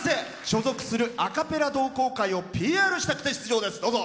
所属するアカペラ同好会をＰＲしたくて出場です。